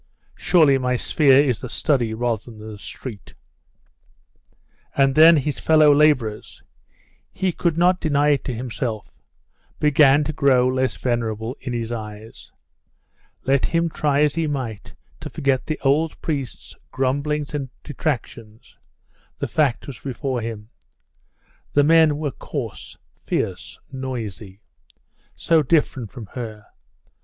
Surely my sphere is the study rather than the street!' And then his fellow labourers he could not deny it to himself began to grow less venerable in his eyes. Let him try as he might to forget the old priest's grumblings and detractions, the fact was before him. The men were coarse, fierce, noisy.... so different from her!